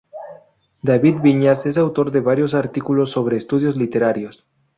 David Viñas es autor de varios artículos sobre estudios literarios.